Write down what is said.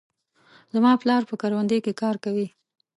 زما پلار په کروندې کې کار کوي.